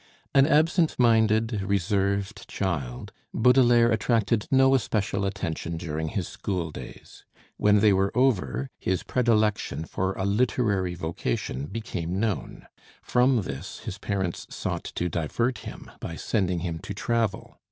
An absent minded, reserved child, Baudelaire attracted no especial attention during his school days. When they were over, his predilection for a literary vocation became known. From this his parents sought to divert him by sending him to travel.